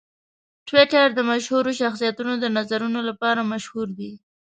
ټویټر د مشهورو شخصیتونو د نظرونو لپاره مشهور دی.